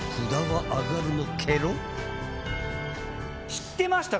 知ってました。